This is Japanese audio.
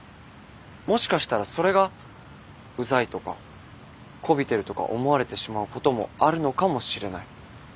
もしかしたらそれがうざいとかこびてるとか思われてしまうこともあるのかもしれない。